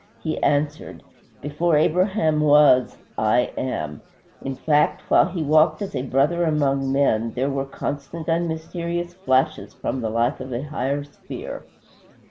he answered, "Before Abraham was, I AM." In fact, while he walked as a brother among men, there were constant and mysterious flashes from the life of a higher sphere.